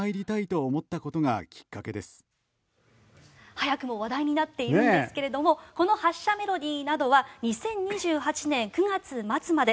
早くも話題になっているんですけれどもこの発車メロディーなどは２０２８年９月末まで